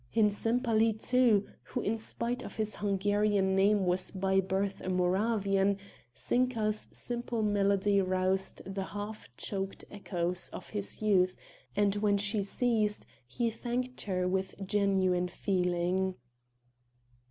In Sempaly too, who in spite of his Hungarian name was by birth a Moravian, Zinka's simple melody roused the half choked echoes of his youth, and when she ceased he thanked her with genuine feeling.